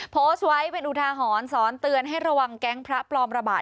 โพสต์ไว้เป็นอุทาหรณ์สอนเตือนให้ระวังแก๊งพระปลอมระบาด